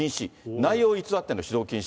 内容を偽っての指導禁止。